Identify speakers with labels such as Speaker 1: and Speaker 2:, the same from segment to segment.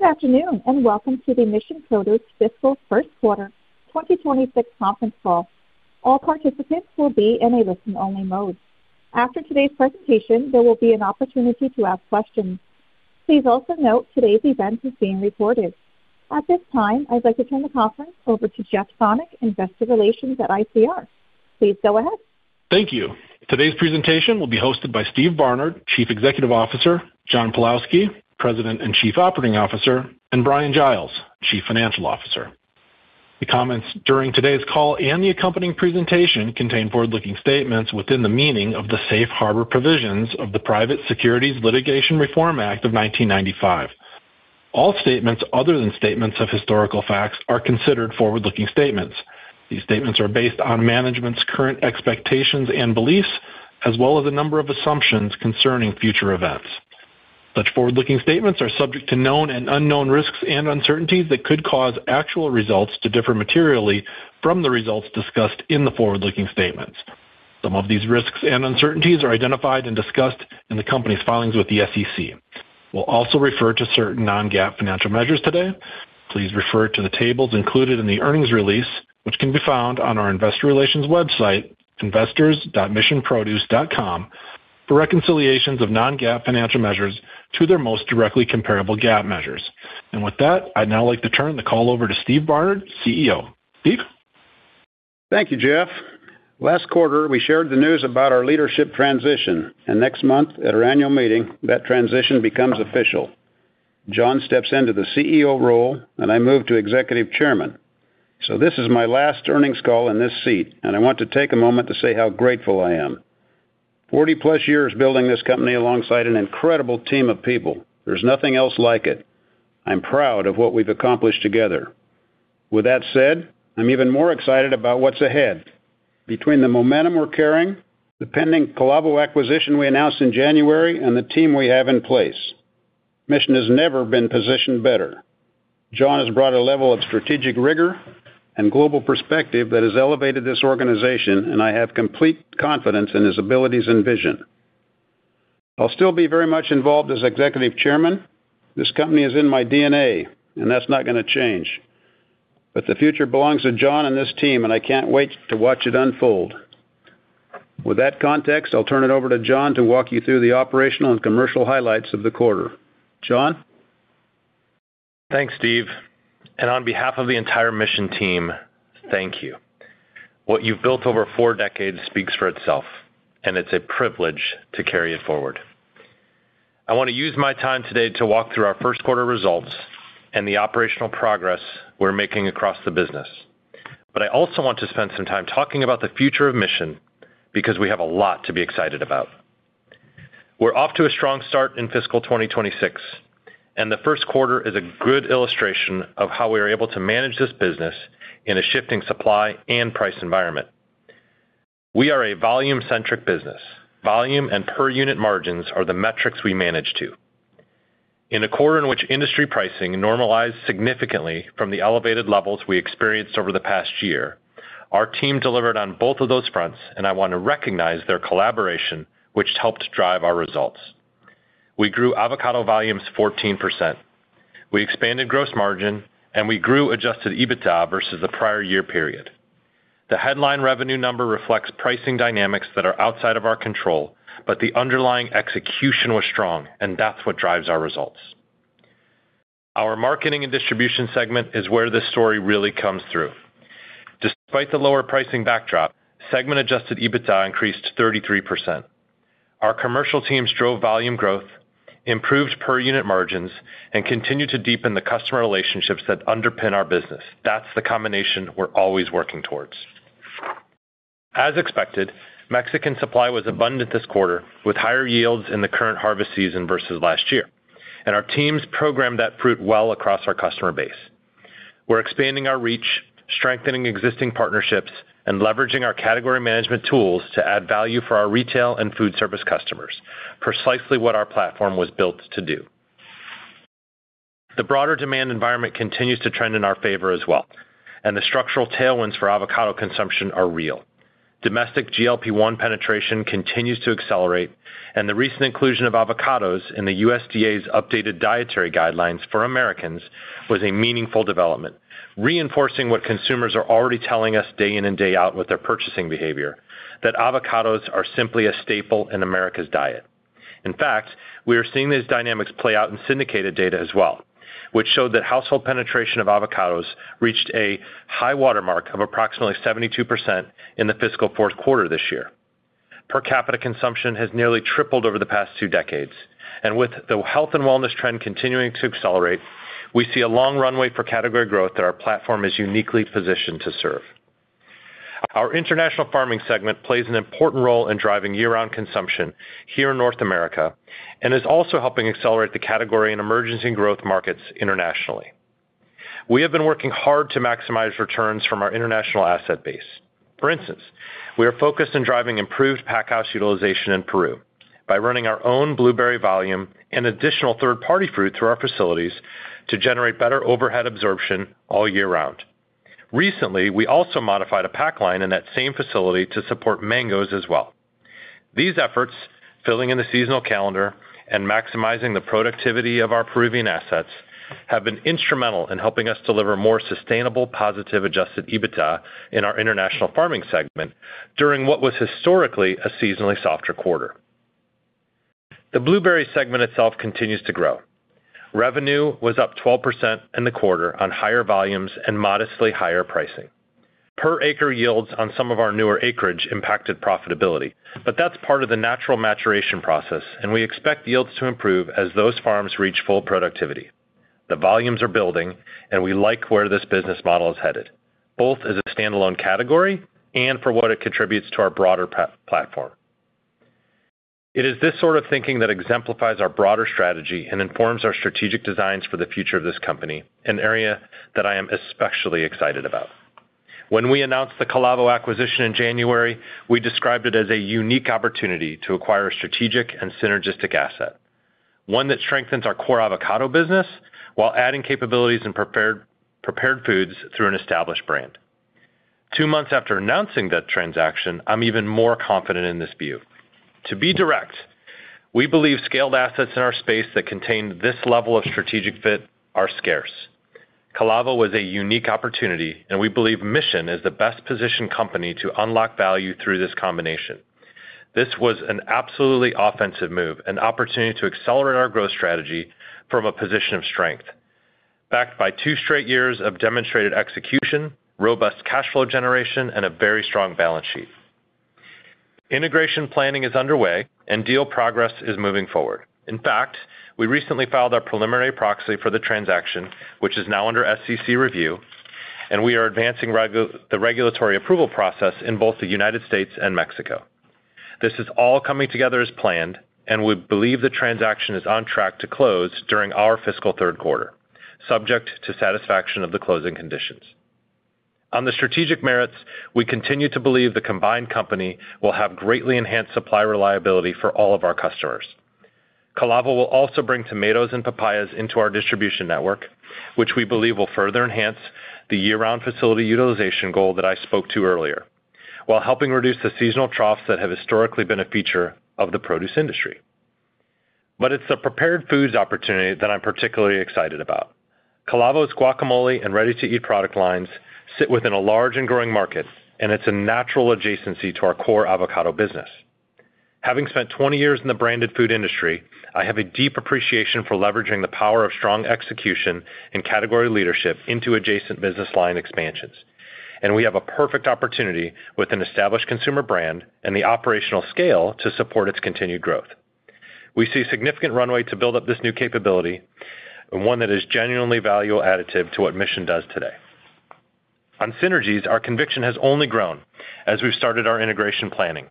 Speaker 1: Good afternoon, and welcome to the Mission Produce Fiscal First Quarter 2026 conference call. All participants will be in a listen-only mode. After today's presentation, there will be an opportunity to ask questions. Please also note today's event is being recorded. At this time, I'd like to turn the conference over to Jeff Sonnek, Investor Relations at ICR. Please go ahead.
Speaker 2: Thank you. Today's presentation will be hosted by Steve Barnard, Chief Executive Officer, John Pawlowski, President and Chief Operating Officer, and Bryan Giles, Chief Financial Officer. The comments during today's call and the accompanying presentation contain forward-looking statements within the meaning of the Safe Harbor provisions of the Private Securities Litigation Reform Act of 1995. All statements other than statements of historical facts are considered forward-looking statements. These statements are based on management's current expectations and beliefs, as well as a number of assumptions concerning future events. Such forward-looking statements are subject to known and unknown risks and uncertainties that could cause actual results to differ materially from the results discussed in the forward-looking statements. Some of these risks and uncertainties are identified and discussed in the company's filings with the SEC. We'll also refer to certain non-GAAP financial measures today. Please refer to the tables included in the earnings release, which can be found on our investor relations website, investors.missionproduce.com, for reconciliations of non-GAAP financial measures to their most directly comparable GAAP measures. With that, I'd now like to turn the call over to Steve Barnard, CEO. Steve?
Speaker 3: Thank you, Jeff Sonnek. Last quarter, we shared the news about our leadership transition, and next month at our annual meeting, that transition becomes official. John Pawlowski steps into the CEO role, and I move to executive chairman. This is my last earnings call in this seat, and I want to take a moment to say how grateful I am. 40+ years building this company alongside an incredible team of people, there's nothing else like it. I'm proud of what we've accomplished together. With that said, I'm even more excited about what's ahead. Between the momentum we're carrying, the pending Calavo acquisition we announced in January, and the team we have in place, Mission has never been positioned better. John Pawlowski has brought a level of strategic rigor and global perspective that has elevated this organization, and I have complete confidence in his abilities and vision. I'll still be very much involved as executive chairman. This company is in my DNA, and that's not gonna change. The future belongs to John and this team, and I can't wait to watch it unfold. With that context, I'll turn it over to John to walk you through the operational and commercial highlights of the quarter. John?
Speaker 4: Thanks, Steve. On behalf of the entire Mission team, thank you. What you've built over four decades speaks for itself, and it's a privilege to carry it forward. I wanna use my time today to walk through our first quarter results and the operational progress we're making across the business. I also want to spend some time talking about the future of Mission because we have a lot to be excited about. We're off to a strong start in fiscal 2026, and the first quarter is a good illustration of how we are able to manage this business in a shifting supply and price environment. We are a volume-centric business. Volume and per-unit margins are the metrics we manage to. In a quarter in which industry pricing normalized significantly from the elevated levels we experienced over the past year, our team delivered on both of those fronts, and I want to recognize their collaboration, which helped drive our results. We grew avocado volumes 14%. We expanded gross margin, and we grew adjusted EBITDA versus the prior year period. The headline revenue number reflects pricing dynamics that are outside of our control, but the underlying execution was strong, and that's what drives our results. Our Marketing and Distribution segment is where this story really comes through. Despite the lower pricing backdrop, segment-adjusted EBITDA increased 33%. Our commercial teams drove volume growth, improved per-unit margins, and continued to deepen the customer relationships that underpin our business. That's the combination we're always working towards. As expected, Mexican supply was abundant this quarter, with higher yields in the current harvest season versus last year. Our teams programmed that fruit well across our customer base. We're expanding our reach, strengthening existing partnerships, and leveraging our category management tools to add value for our retail and food service customers. Precisely what our platform was built to do. The broader demand environment continues to trend in our favor as well, and the structural tailwinds for avocado consumption are real. Domestic GLP-1 penetration continues to accelerate, and the recent inclusion of avocados in the USDA's updated Dietary Guidelines for Americans was a meaningful development, reinforcing what consumers are already telling us day in and day out with their purchasing behavior, that avocados are simply a staple in America's diet. In fact, we are seeing these dynamics play out in syndicated data as well, which showed that household penetration of avocados reached a high-water mark of approximately 72% in the fiscal fourth quarter this year. Per capita consumption has nearly tripled over the past two decades. With the health and wellness trend continuing to accelerate, we see a long runway for category growth that our platform is uniquely positioned to serve. Our International Farming segment plays an important role in driving year-round consumption here in North America and is also helping accelerate the category in emerging growth markets internationally. We have been working hard to maximize returns from our international asset base. For instance, we are focused on driving improved pack house utilization in Peru by running our own blueberry volume and additional third-party fruit through our facilities to generate better overhead absorption all year round. Recently, we also modified a pack line in that same facility to support mangoes as well. These efforts, filling in the seasonal calendar and maximizing the productivity of our Peruvian assets, have been instrumental in helping us deliver more sustainable, positive adjusted EBITDA in our International Farming segment during what was historically a seasonally softer quarter. The blueberry segment itself continues to grow. Revenue was up 12% in the quarter on higher volumes and modestly higher pricing. Per-acre yields on some of our newer acreage impacted profitability, but that's part of the natural maturation process, and we expect yields to improve as those farms reach full productivity. The volumes are building, and we like where this business model is headed, both as a standalone category and for what it contributes to our broader platform. It is this sort of thinking that exemplifies our broader strategy and informs our strategic designs for the future of this company, an area that I am especially excited about. When we announced the Calavo acquisition in January, we described it as a unique opportunity to acquire a strategic and synergistic asset, one that strengthens our core avocado business while adding capabilities in prepared foods through an established brand. Two months after announcing that transaction, I'm even more confident in this view. To be direct, we believe scaled assets in our space that contain this level of strategic fit are scarce. Calavo was a unique opportunity, and we believe Mission is the best-positioned company to unlock value through this combination. This was an absolutely offensive move, an opportunity to accelerate our growth strategy from a position of strength, backed by two straight years of demonstrated execution, robust cash flow generation, and a very strong balance sheet. Integration planning is underway, and deal progress is moving forward. In fact, we recently filed our preliminary proxy for the transaction, which is now under SEC review, and we are advancing the regulatory approval process in both the United States and Mexico. This is all coming together as planned, and we believe the transaction is on track to close during our fiscal third quarter, subject to satisfaction of the closing conditions. On the strategic merits, we continue to believe the combined company will have greatly enhanced supply reliability for all of our customers. Calavo will also bring tomatoes and papayas into our distribution network, which we believe will further enhance the year-round facility utilization goal that I spoke to earlier, while helping reduce the seasonal troughs that have historically been a feature of the produce industry. It's the prepared foods opportunity that I'm particularly excited about. Calavo's guacamole and ready-to-eat product lines sit within a large and growing market, and it's a natural adjacency to our core avocado business. Having spent 20 years in the branded food industry, I have a deep appreciation for leveraging the power of strong execution and category leadership into adjacent business line expansions, and we have a perfect opportunity with an established consumer brand and the operational scale to support its continued growth. We see significant runway to build up this new capability and one that is genuinely value-additive to what Mission does today. On synergies, our conviction has only grown as we've started our integration planning.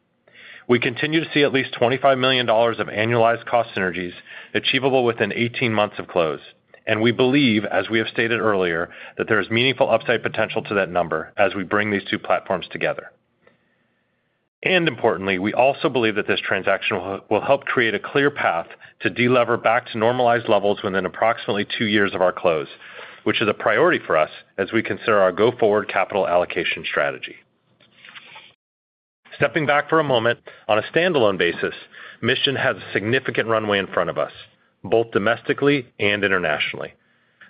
Speaker 4: We continue to see at least $25 million of annualized cost synergies achievable within 18 months of close, and we believe, as we have stated earlier, that there is meaningful upside potential to that number as we bring these two platforms together. Importantly, we also believe that this transaction will help create a clear path to delever back to normalized levels within approximately two years of our close, which is a priority for us as we consider our go-forward capital allocation strategy. Stepping back for a moment, on a standalone basis, Mission has significant runway in front of us, both domestically and internationally.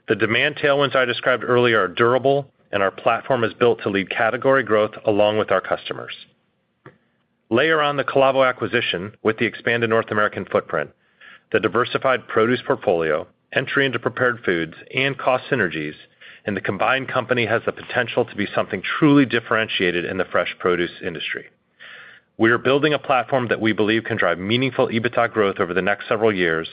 Speaker 4: The demand tailwinds I described earlier are durable, and our platform is built to lead category growth along with our customers. Layer on the Calavo acquisition with the expanded North American footprint, the diversified produce portfolio, entry into prepared foods, and cost synergies, and the combined company has the potential to be something truly differentiated in the fresh produce industry. We are building a platform that we believe can drive meaningful EBITDA growth over the next several years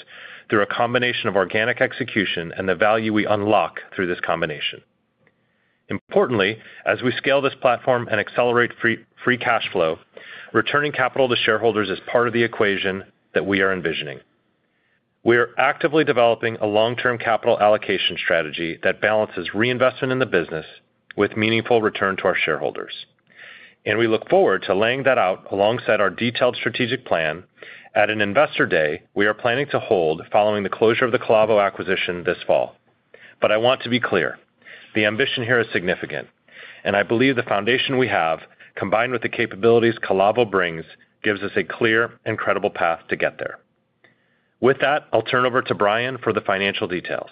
Speaker 4: through a combination of organic execution and the value we unlock through this combination. Importantly, as we scale this platform and accelerate free cash flow, returning capital to shareholders is part of the equation that we are envisioning. We are actively developing a long-term capital allocation strategy that balances reinvestment in the business with meaningful return to our shareholders, and we look forward to laying that out alongside our detailed strategic plan at an investor day we are planning to hold following the closure of the Calavo acquisition this fall. I want to be clear, the ambition here is significant, and I believe the foundation we have, combined with the capabilities Calavo brings, gives us a clear and credible path to get there. With that, I'll turn over to Bryan for the financial details.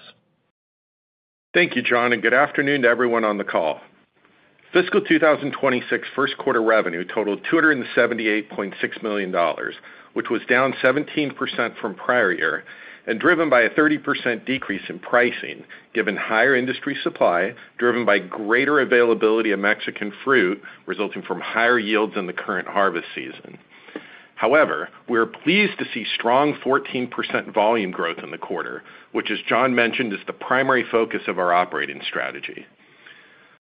Speaker 5: Thank you, John, and good afternoon to everyone on the call. Fiscal 2026 first quarter revenue totaled $278.6 million, which was down 17% from prior year and driven by a 30% decrease in pricing, given higher industry supply, driven by greater availability of Mexican fruit, resulting from higher yields in the current harvest season. However, we are pleased to see strong 14% volume growth in the quarter, which, as John mentioned, is the primary focus of our operating strategy.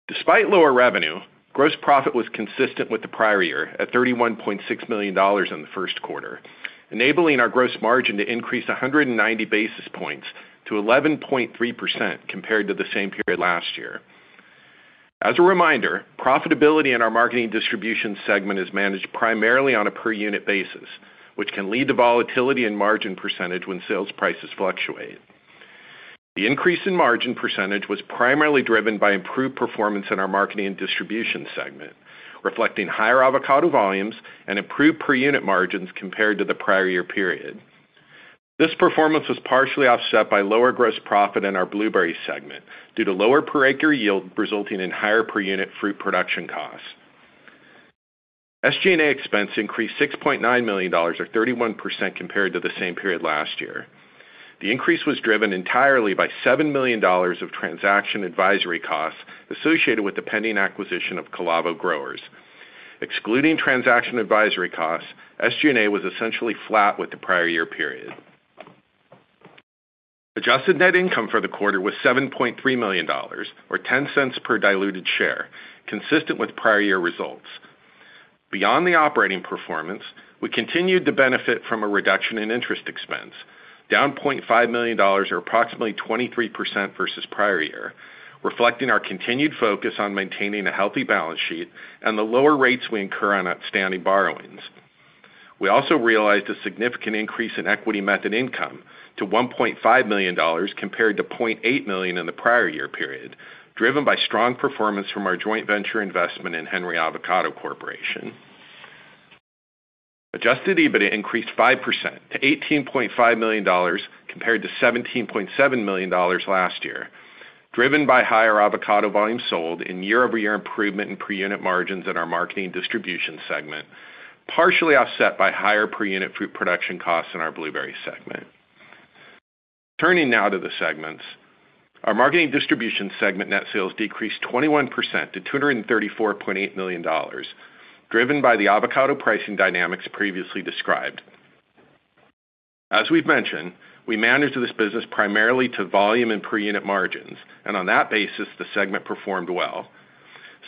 Speaker 5: Despite lower revenue, gross profit was consistent with the prior year at $31.6 million in the first quarter, enabling our gross margin to increase 190 basis points to 11.3% compared to the same period last year. As a reminder, profitability in our Marketing and Distribution segment is managed primarily on a per-unit basis, which can lead to volatility in margin percentage when sales prices fluctuate. The increase in margin percentage was primarily driven by improved performance in our Marketing and Distribution segment, reflecting higher avocado volumes and improved per-unit margins compared to the prior year period. This performance was partially offset by lower gross profit in our blueberry segment due to lower per-acre yield, resulting in higher per-unit fruit production costs. SG&A expense increased $6.9 million, or 31%, compared to the same period last year. The increase was driven entirely by $7 million of transaction advisory costs associated with the pending acquisition of Calavo Growers. Excluding transaction advisory costs, SG&A was essentially flat with the prior year period. Adjusted net income for the quarter was $7.3 million, or $0.10 per diluted share, consistent with prior year results. Beyond the operating performance, we continued to benefit from a reduction in interest expense, down $0.5 million or approximately 23% versus prior year, reflecting our continued focus on maintaining a healthy balance sheet and the lower rates we incur on outstanding borrowings. We also realized a significant increase in equity method income to $1.5 million compared to $0.8 million in the prior year period, driven by strong performance from our joint venture investment in Henry Avocado Corporation. Adjusted EBITDA increased 5% to $18.5 million compared to $17.7 million last year, driven by higher avocado volume sold and year-over-year improvement in per-unit margins in our Marketing and Distribution segment, partially offset by higher per-unit fruit production costs in our blueberry segment. Turning now to the segments. Our Marketing and Distribution segment net sales decreased 21% to $234.8 million, driven by the avocado pricing dynamics previously described. As we've mentioned, we manage this business primarily to volume and per-unit margins, and on that basis, the segment performed well.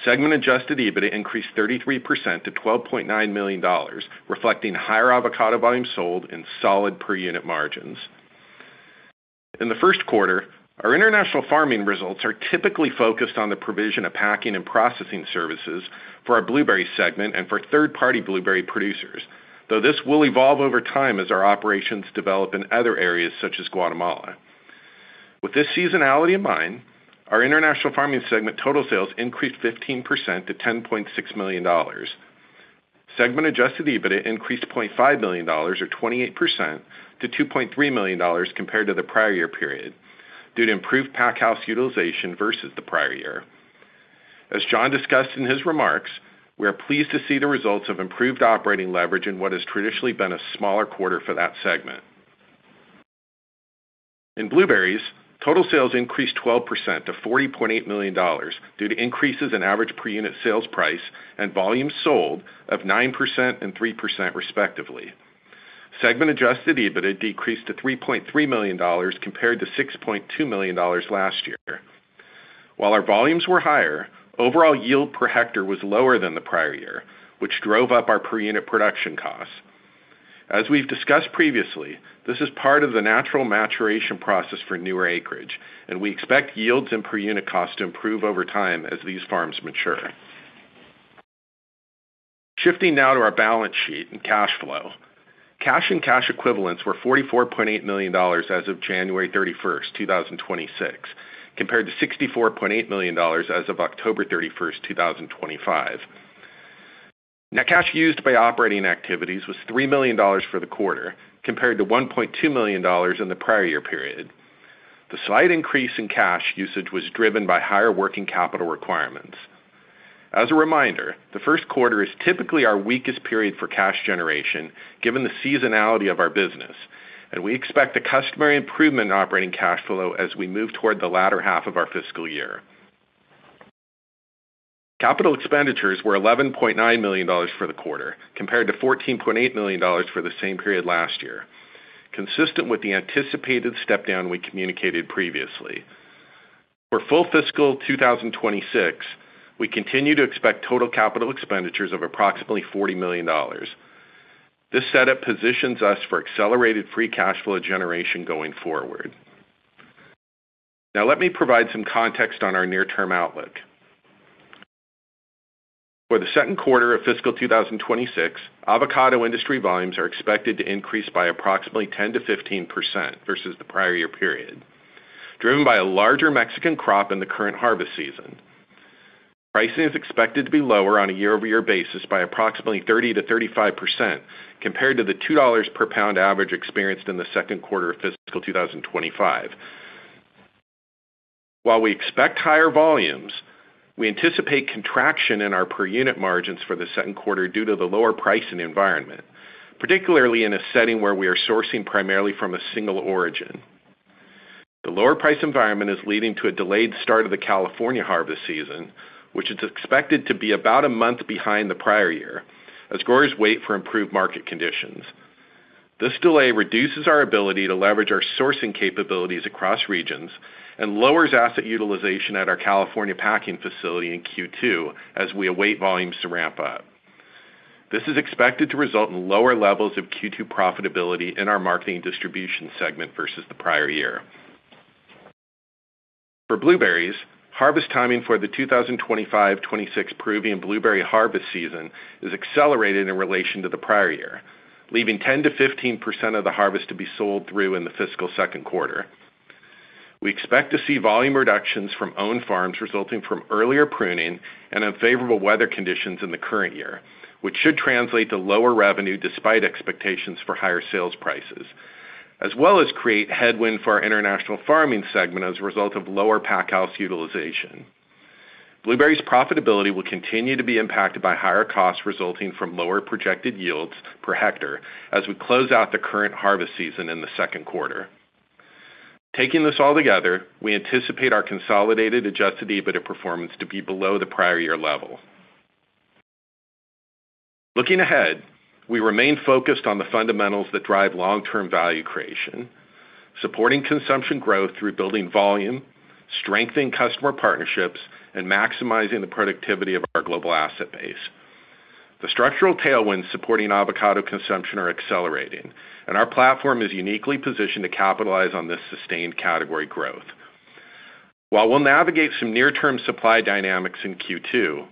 Speaker 5: Segment-adjusted EBITDA increased 33% to $12.9 million, reflecting higher avocado volume sold and solid per-unit margins. In the first quarter, our International Farming results are typically focused on the provision of packing and processing services for our blueberry segment and for third-party blueberry producers, though this will evolve over time as our operations develop in other areas such as Guatemala. With this seasonality in mind, our International Farming segment total sales increased 15% to $10.6 million. Segment-adjusted EBITDA increased $0.5 million or 28% to $2.3 million compared to the prior year period due to improved pack house utilization versus the prior year. As John discussed in his remarks, we are pleased to see the results of improved operating leverage in what has traditionally been a smaller quarter for that segment. In blueberries, total sales increased 12% to $40.8 million due to increases in average per-unit sales price and volume sold of 9% and 3% respectively. Segment-adjusted EBITDA decreased to $3.3 million compared to $6.2 million last year. While our volumes were higher, overall yield per hectare was lower than the prior year, which drove up our per-unit production costs. As we've discussed previously, this is part of the natural maturation process for newer acreage, and we expect yields in per-unit cost to improve over time as these farms mature. Shifting now to our balance sheet and cash flow. Cash and cash equivalents were $44.8 million as of January 31st, 2026, compared to $64.8 million as of October 31st, 2025. Now, cash used by operating activities was $3 million for the quarter compared to $1.2 million in the prior year period. The slight increase in cash usage was driven by higher working capital requirements. As a reminder, the first quarter is typically our weakest period for cash generation, given the seasonality of our business, and we expect a customary improvement in operating cash flow as we move toward the latter half of our fiscal year. Capital expenditures were $11.9 million for the quarter, compared to $14.8 million for the same period last year. Consistent with the anticipated step down, we communicated previously. For full fiscal 2026, we continue to expect total capital expenditures of approximately $40 million. This setup positions us for accelerated free cash flow generation going forward. Now, let me provide some context on our near-term outlook. For the second quarter of fiscal 2026, avocado industry volumes are expected to increase by approximately 10%-15% versus the prior year period, driven by a larger Mexican crop in the current harvest season. Pricing is expected to be lower on a year-over-year basis by approximately 30%-35% compared to the $2 per lbs average experienced in the second quarter of fiscal 2025. While we expect higher volumes, we anticipate contraction in our per-unit margins for the second quarter due to the lower pricing environment, particularly in a setting where we are sourcing primarily from a single origin. The lower price environment is leading to a delayed start of the California harvest season, which is expected to be about a month behind the prior year as growers wait for improved market conditions. This delay reduces our ability to leverage our sourcing capabilities across regions and lowers asset utilization at our California packing facility in Q2 as we await volumes to ramp up. This is expected to result in lower levels of Q2 profitability in our Marketing and Distribution segment versus the prior year. For blueberries, harvest timing for the 2025-2026 Peruvian blueberry harvest season is accelerated in relation to the prior year, leaving 10%-15% of the harvest to be sold through in the fiscal second quarter. We expect to see volume reductions from own farms resulting from earlier pruning and unfavorable weather conditions in the current year, which should translate to lower revenue despite expectations for higher sales prices, as well as create headwind for our International Farming segment as a result of lower pack house utilization. Blueberries' profitability will continue to be impacted by higher costs resulting from lower projected yields per hectare as we close out the current harvest season in the second quarter. Taking this all together, we anticipate our consolidated adjusted EBITDA performance to be below the prior year level. Looking ahead, we remain focused on the fundamentals that drive long-term value creation, supporting consumption growth through building volume, strengthening customer partnerships, and maximizing the productivity of our global asset base. The structural tailwinds supporting avocado consumption are accelerating, and our platform is uniquely positioned to capitalize on this sustained category growth. While we'll navigate some near-term supply dynamics in Q2,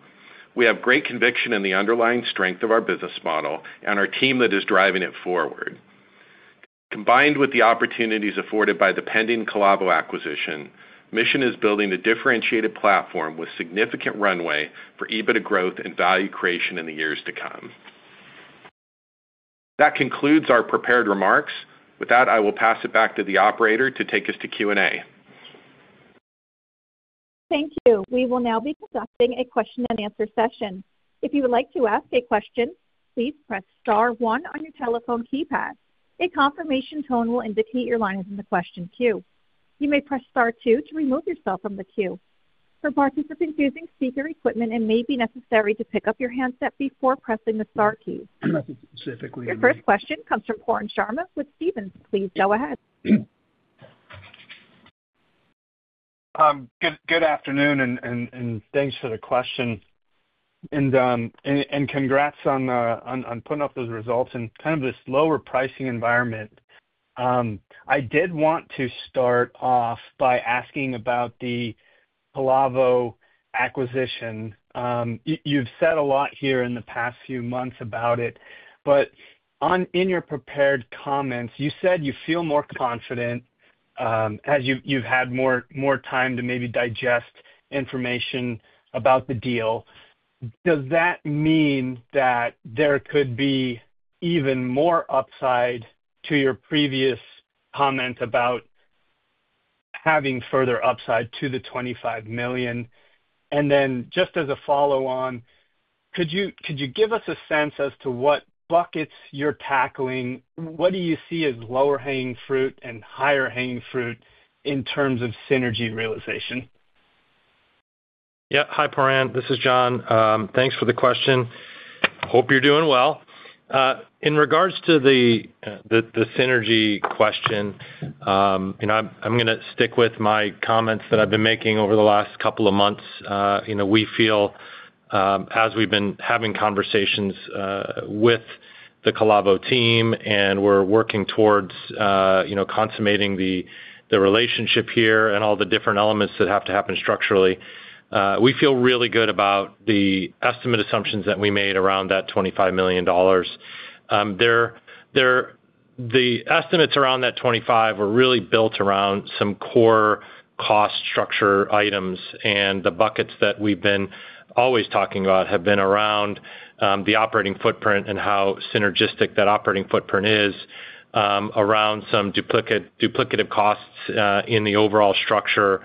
Speaker 5: we have great conviction in the underlying strength of our business model and our team that is driving it forward. Combined with the opportunities afforded by the pending Calavo acquisition, Mission is building a differentiated platform with significant runway for EBITDA growth and value creation in the years to come. That concludes our prepared remarks. With that, I will pass it back to the operator to take us to Q&A.
Speaker 1: Thank you. We will now be conducting a question-and-answer session. If you would like to ask a question, please press star one on your telephone keypad. A confirmation tone will indicate your line is in the question queue. You may press star two to remove yourself from the queue. For participants using speaker equipment, it may be necessary to pick up your handset before pressing the star key.
Speaker 2: Specifically-
Speaker 1: Your first question comes from Pooran Sharma with Stephens. Please go ahead.
Speaker 6: Good afternoon, and thanks for the question. Congrats on putting up those results in kind of this lower pricing environment. I did want to start off by asking about the Calavo acquisition. You've said a lot here in the past few months about it, but in your prepared comments, you said you feel more confident, as you've had more time to maybe digest information about the deal. Does that mean that there could be even more upside to your previous comment about having further upside to the $25 million? Then, just as a follow-up on, could you give us a sense as to what buckets you're tackling? What do you see as lower-hanging fruit and higher-hanging fruit in terms of synergy realization?
Speaker 4: Yeah. Hi, Pooran. This is John. Thanks for the question. Hope you're doing well. In regards to the synergy question, you know, I'm gonna stick with my comments that I've been making over the last couple of months. You know, we feel, as we've been having conversations with the Calavo team, and we're working towards, you know, consummating the relationship here and all the different elements that have to happen structurally, we feel really good about the estimate assumptions that we made around that $25 million. The estimates around that $25 were really built around some core cost structure items, and the buckets that we've been always talking about have been around the operating footprint and how synergistic that operating footprint is around some duplicative costs in the overall structure,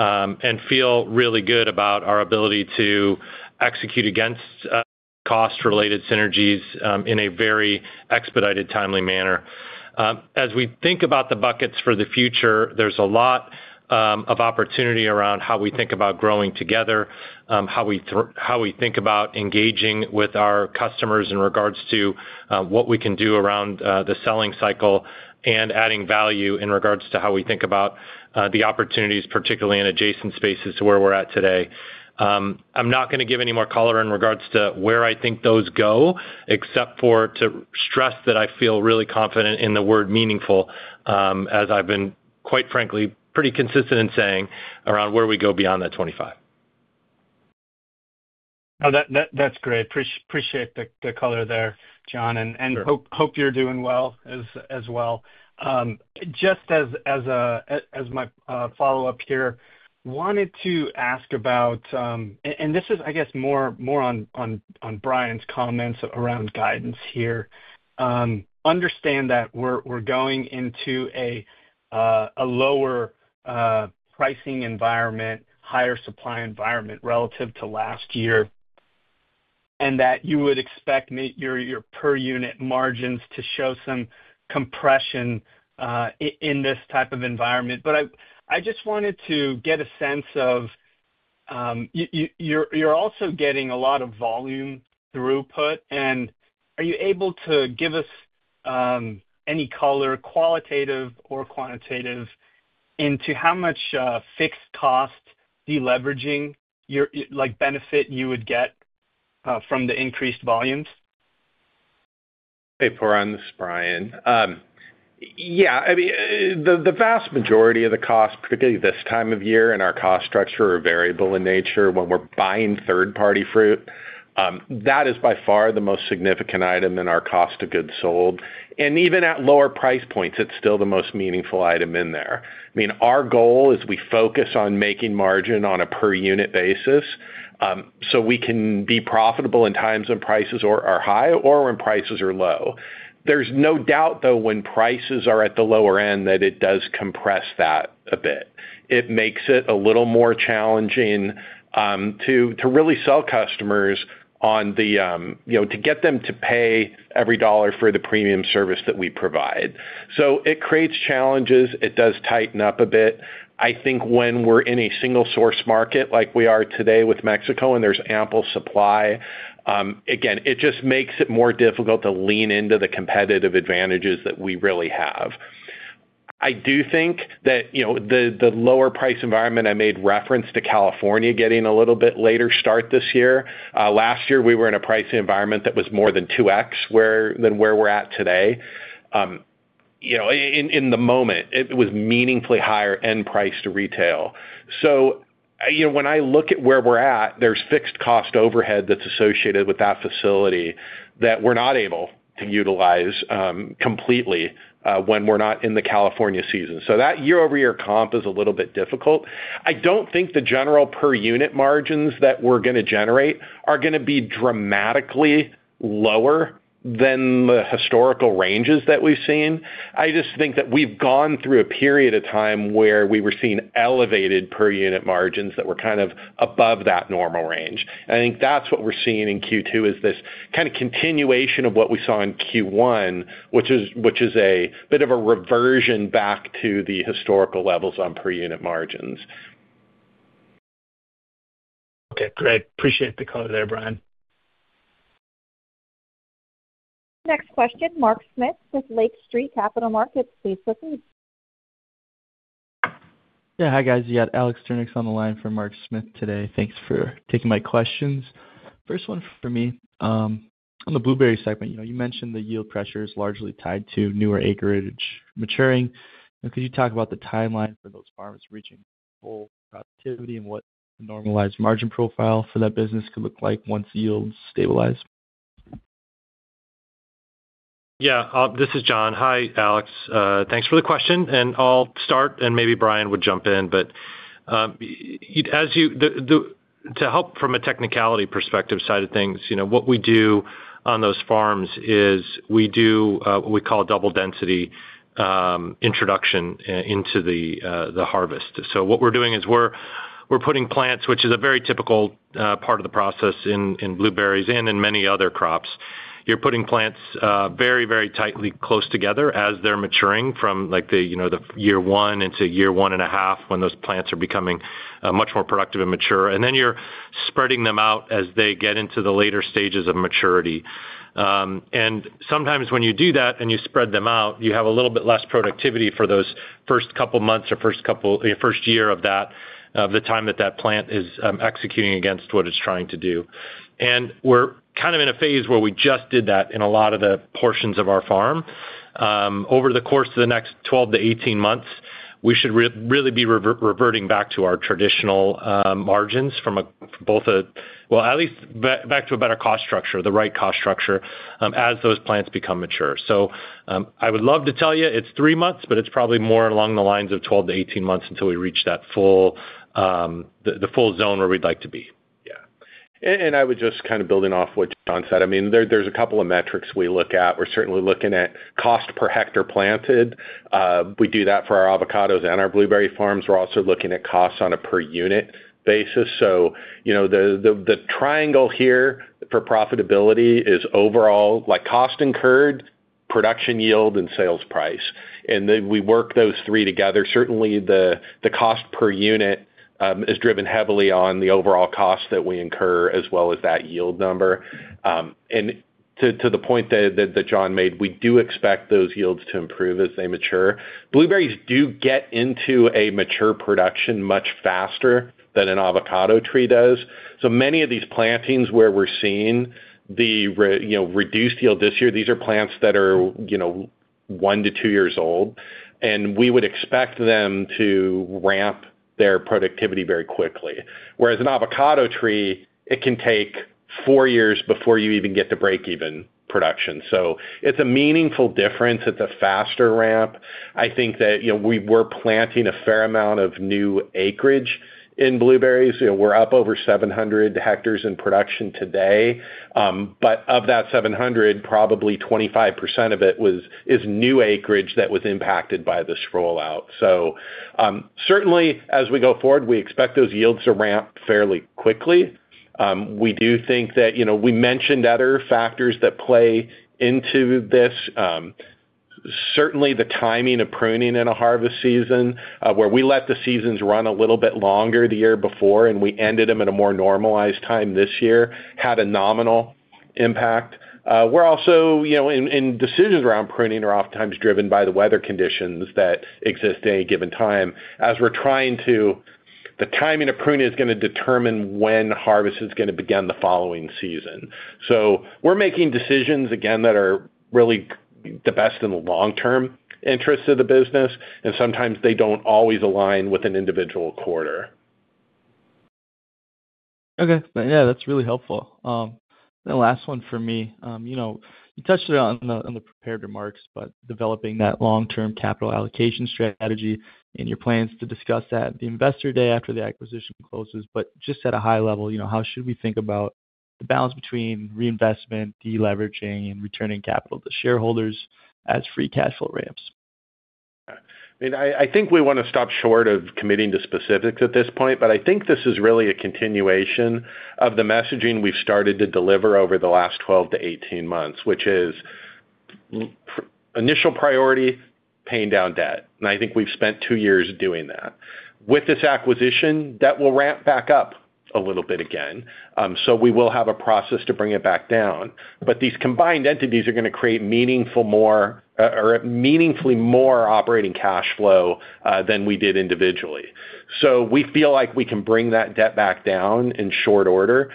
Speaker 4: and feel really good about our ability to execute against cost-related synergies in a very expedited, timely manner. As we think about the buckets for the future, there's a lot of opportunity around how we think about growing together, how we think about engaging with our customers in regards to what we can do around the selling cycle, and adding value in regards to how we think about the opportunities, particularly in adjacent spaces to where we're at today. I'm not gonna give any more color in regards to where I think those go, except for to stress that I feel really confident in the word meaningful, as I've been, quite frankly, pretty consistent in saying around where we go beyond that 2025.
Speaker 6: No. That's great. Appreciate the color there, John.
Speaker 4: Sure.
Speaker 6: Hope you're doing well as well. Just as a follow-up here, wanted to ask about this is, I guess, more on Bryan's comments around guidance here. Understand that we're going into a lower pricing environment, higher supply environment relative to last year, and that you would expect your per-unit margins to show some compression in this type of environment. I just wanted to get a sense of you're also getting a lot of volume throughput, and are you able to give us any color, qualitative or quantitative, into how much fixed cost deleveraging like benefit, you would get from the increased volumes?
Speaker 5: Hey, Pooran. This is Bryan. Yeah, I mean, the vast majority of the cost, particularly this time of year and our cost structure, are variable in nature when we're buying third-party fruit. That is by far the most significant item in our cost of goods sold. Even at lower price points, it's still the most meaningful item in there. I mean, our goal is we focus on making margin on a per-unit basis, so we can be profitable in times when prices are high or when prices are low. There's no doubt, though, when prices are at the lower end, that it does compress that a bit. It makes it a little more challenging to really sell customers on the, you know, to get them to pay every dollar for the premium service that we provide. It creates challenges. It does tighten up a bit. I think when we're in a single-source market like we are today with Mexico, and there's ample supply, again, it just makes it more difficult to lean into the competitive advantages that we really have. I do think that, you know, the lower price environment I made reference to California getting a little bit later start this year. Last year we were in a pricing environment that was more than 2x than where we're at today. You know, in the moment it was meaningfully higher-end price to retail. You know, when I look at where we're at, there's fixed cost overhead that's associated with that facility that we're not able to utilize completely when we're not in the California season. That year-over-year comp is a little bit difficult. I don't think the general per-unit margins that we're gonna generate are gonna be dramatically lower than the historical ranges that we've seen. I just think that we've gone through a period of time where we were seeing elevated per-unit margins that were kind of above that normal range. I think that's what we're seeing in Q2, is this kind of continuation of what we saw in Q1, which is a bit of a reversion back to the historical levels on per-unit margins.
Speaker 6: Okay, great. Appreciate the color there, Bryan.
Speaker 1: Next question, Mark Smith with Lake Street Capital Markets. Please proceed.
Speaker 7: Yeah. Hi, guys. You got Alex Tursich on the line for Mark Smith today. Thanks for taking my questions. First one for me. On the blueberry segment, you know, you mentioned the yield pressure is largely tied to newer acreage maturing. Could you talk about the timeline for those farms reaching full productivity and what normalized margin profile for that business could look like once yields stabilize?
Speaker 4: Yeah. This is John. Hi, Alex. Thanks for the question, and I'll start, and maybe Bryan would jump in. To help from a technical perspective side of things, you know, what we do on those farms is we do what we call a double density introduction into the harvest. So what we're doing is we're putting plants, which is a very typical part of the process in blueberries and in many other crops. You're putting plants very, very tightly close together as they're maturing from, like, the, you know, the year one into year one and a half, when those plants are becoming much more productive and mature. Then you're spreading them out as they get into the later stages of maturity. Sometimes when you do that, and you spread them out, you have a little bit less productivity for those first couple months or first year of that, of the time that plant is executing against what it's trying to do. We're kind of in a phase where we just did that in a lot of the portions of our farm. Over the course of the next 12-18 months, we should really be reverting back to our traditional margins from both a well, at least back to a better cost structure, the right cost structure, as those plants become mature. I would love to tell you it's three months, but it's probably more along the lines of 12-18 months until we reach that full zone where we'd like to be.
Speaker 5: Yeah. I would just kind of building off what John said, I mean, there's a couple of metrics we look at. We're certainly looking at cost per hectare planted. We do that for our avocados and our blueberry farms. We're also looking at costs on a per-unit basis. You know, the triangle here for profitability is overall like cost incurred, production yield, and sales price. Then we work those three together. Certainly, the cost per-unit is driven heavily on the overall cost that we incur as well as that yield number. To the point that John made, we do expect those yields to improve as they mature. Blueberries do get into a mature production much faster than an avocado tree does. Many of these plantings, where we're seeing you know, reduced yield this year, these are plants that are, you know, one to two years old, and we would expect them to ramp their productivity very quickly. Whereas an avocado tree, it can take four years before you even get to break even production. It's a meaningful difference. It's a faster ramp. I think that, you know, we were planting a fair amount of new acreage in blueberries. You know, we're up over 700 hectares in production today. Of that 700, probably 25% of it is new acreage that was impacted by the drought. Certainly, as we go forward, we expect those yields to ramp fairly quickly. We do think that, you know, we mentioned other factors that play into this. Certainly the timing of pruning in a harvest season, where we let the seasons run a little bit longer the year before and we ended them at a more normalized time this year, had a nominal impact. We're also, you know, in decisions around pruning are oftentimes driven by the weather conditions that exist at any given time. The timing of pruning is gonna determine when harvest is gonna begin the following season. We're making decisions, again, that are really the best in the long-term interests of the business, and sometimes they don't always align with an individual quarter.
Speaker 7: Okay. Yeah, that's really helpful. The last one for me, you know, you touched on the prepared remarks about developing that long-term capital allocation strategy and your plans to discuss that at the Investor Day after the acquisition closes. Just at a high level, you know, how should we think about the balance between reinvestment, deleveraging, and returning capital to shareholders as free cash flow ramps?
Speaker 5: I mean, I think we wanna stop short of committing to specifics at this point, but I think this is really a continuation of the messaging we've started to deliver over the last 12-18 months, which is initial priority, paying down debt, and I think we've spent two years doing that. With this acquisition, debt will ramp back up a little bit again, so we will have a process to bring it back down. These combined entities are gonna create meaningful more, or meaningfully more operating cash flow, than we did individually. We feel like we can bring that debt back down in short order.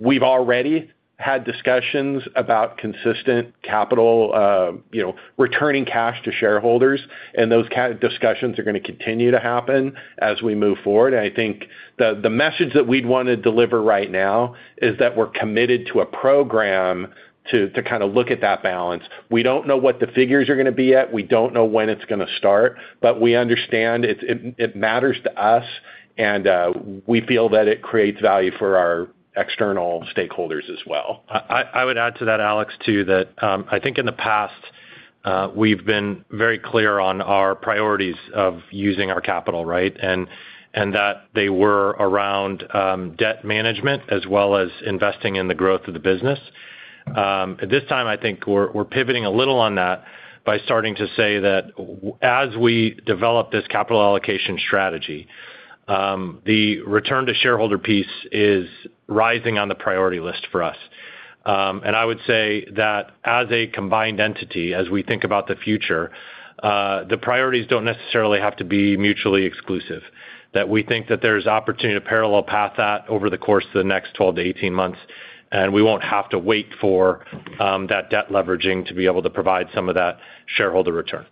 Speaker 5: We've already had discussions about consistent capital, you know, returning cash to shareholders, and those discussions are gonna continue to happen as we move forward. I think the message that we'd wanna deliver right now is that we're committed to a program to kinda look at that balance. We don't know what the figures are gonna be yet. We don't know when it's gonna start, but we understand it matters to us, and we feel that it creates value for our external stakeholders as well.
Speaker 4: I would add to that, Alex, too, that I think in the past we've been very clear on our priorities of using our capital, right? That they were around debt management as well as investing in the growth of the business. At this time, I think we're pivoting a little on that by starting to say that as we develop this capital allocation strategy, the return to shareholder piece is rising on the priority list for us. I would say that as a combined entity, as we think about the future, the priorities don't necessarily have to be mutually exclusive, that we think that there's opportunity to parallel path that over the course of the next 12-18 months, and we won't have to wait for that debt leveraging to be able to provide some of that shareholder return.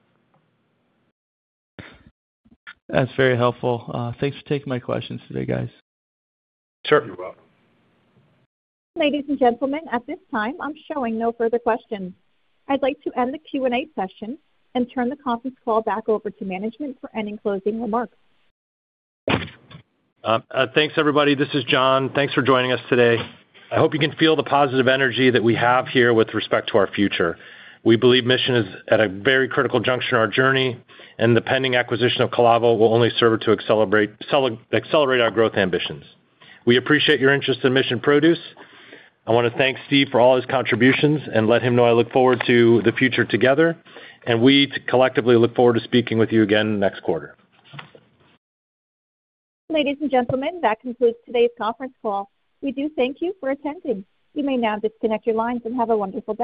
Speaker 7: That's very helpful. Thanks for taking my questions today, guys.
Speaker 5: Certainly welcome.
Speaker 1: Ladies and gentlemen, at this time, I'm showing no further questions. I'd like to end the Q&A session and turn the conference call back over to management for any closing remarks.
Speaker 4: Thanks everybody. This is John. Thanks for joining us today. I hope you can feel the positive energy that we have here with respect to our future. We believe Mission is at a very critical juncture in our journey, and the pending acquisition of Calavo will only serve to accelerate our growth ambitions. We appreciate your interest in Mission Produce. I wanna thank Steve for all his contributions and let him know I look forward to the future together, and we collectively look forward to speaking with you again next quarter.
Speaker 1: Ladies and gentlemen, that concludes today's conference call. We do thank you for attending. You may now disconnect your lines and have a wonderful day.